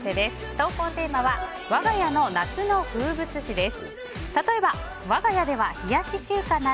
投稿テーマは我が家の夏の風物詩です。